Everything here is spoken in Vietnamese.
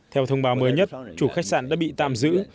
theo thông báo mới nhất chủ khách sạn đã bị tạm giữ